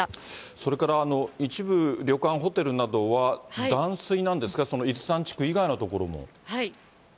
それから一部、旅館、ホテルなどは断水なんですか、伊豆山地区以外の所も。